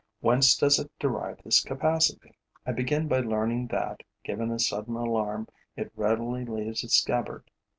Whence does it derive this capacity? I begin by learning that, given a sudden alarm, it readily leaves its scabbard.